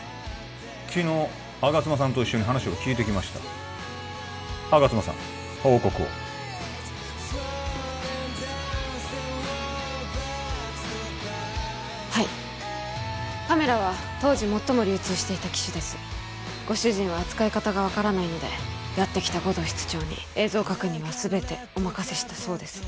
昨日吾妻さんと一緒に話を聞いてきました吾妻さん報告をはいカメラは当時最も流通していた機種ですご主人は扱い方が分からないのでやってきた護道室長に映像確認は全てお任せしたそうです